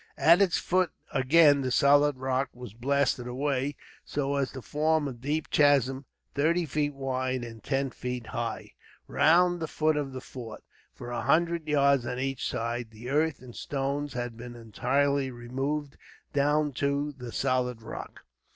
At its foot, again, the solid rock was blasted away, so as to form a deep chasm, thirty feet wide and ten feet high, round the foot of the fort. For a hundred yards on each side, the earth and stones had been entirely removed down to the solid rock.